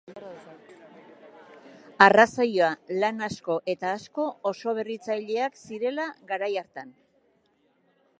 Arrazoia lan asko eta asko oso berritzaileak zirela garai hartan.